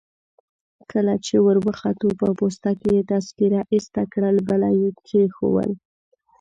کله چي وروختو په پوسته کي يې تذکیره ایسته کړل، بله يي کښېښول.